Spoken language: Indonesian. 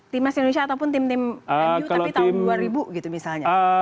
timnas indonesia ataupun tim tim mu tapi tahun dua ribu gitu misalnya